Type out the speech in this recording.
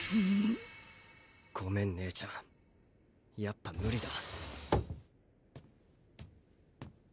ごめん姉ちゃんやっぱムリだ。